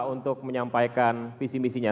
untuk menyampaikan visi visinya